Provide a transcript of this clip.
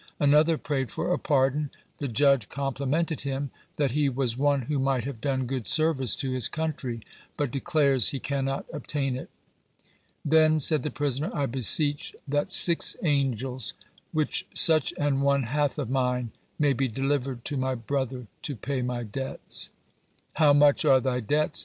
Another prayed for a pardon; the judge complimented him, that "he was one who might have done good service to his country," but declares he cannot obtain it. "Then," said the prisoner, "I beseech that six angels, which such an one hath of mine, may be delivered to my brother to pay my debts." "How much are thy debts?"